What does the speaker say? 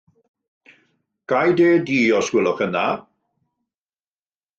Ga i de du os gwelwch yn dda.